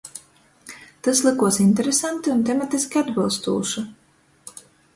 Tys lykuos interesanti un tematiski atbylstūši.